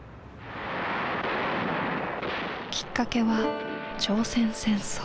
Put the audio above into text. きっかけは朝鮮戦争。